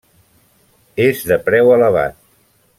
És de preu elevat.